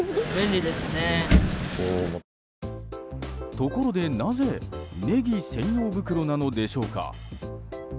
ところで、なぜネギ専用袋なのでしょうか。